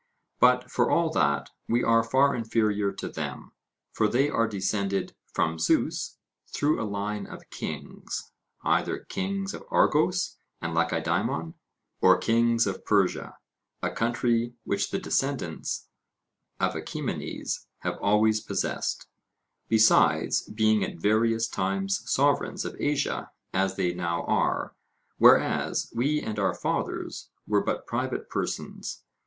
But, for all that, we are far inferior to them. For they are descended 'from Zeus,' through a line of kings either kings of Argos and Lacedaemon, or kings of Persia, a country which the descendants of Achaemenes have always possessed, besides being at various times sovereigns of Asia, as they now are; whereas, we and our fathers were but private persons.